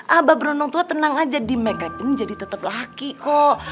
aba berenung tua tenang aja di makeup in jadi tetap laki kok